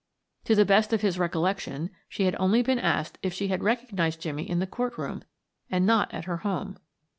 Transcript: To the best of his recollection she had only been asked if she had recognized Jimmie in the court room and not at her home.